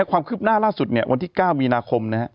ความคืบหน้าล่าสุดวันที่๙มีนาคมนะฮะ